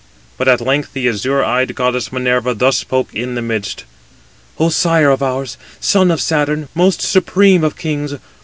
But at length the azure eyed goddess Minerva thus spoke in the midst: "O sire of ours! son of Saturn! most supreme of kings!